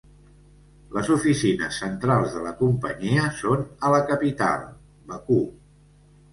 Les oficines centrals de la companyia són a la capital, Bakú.